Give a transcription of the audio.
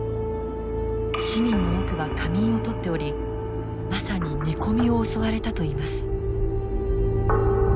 市民の多くは仮眠をとっておりまさに寝込みを襲われたといいます。